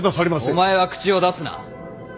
お前は口を出すな。